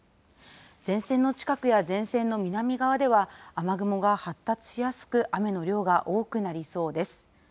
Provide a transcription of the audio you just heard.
前線の近くや前線の南側では、雨雲が発達しやすく、雨の量が多くなりそうです。